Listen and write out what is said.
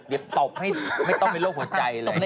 ตบให้ไม่ต้องเป็นโรคหัวใจเลย